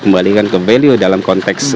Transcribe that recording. kembalikan ke value dalam konteks